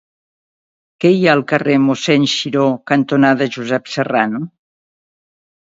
Què hi ha al carrer Mossèn Xiró cantonada Josep Serrano?